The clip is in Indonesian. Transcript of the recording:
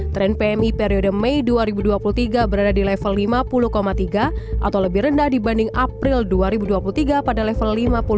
tren pmi periode mei dua ribu dua puluh tiga berada di level lima puluh tiga atau lebih rendah dibanding april dua ribu dua puluh tiga pada level lima puluh dua